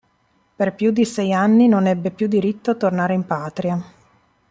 Per più di sei anni non ebbe più diritto a tornare in patria.